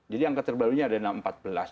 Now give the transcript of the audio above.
jadi angka terbarunya adalah empat belas